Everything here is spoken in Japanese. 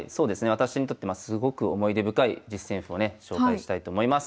私にとってすごく思い出深い実戦譜をね紹介したいと思います。